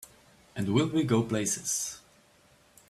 And will we go places!